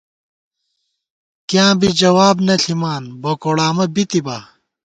کیاں بی جواب نہ ݪِمان، بوکوڑامہ بِتِبا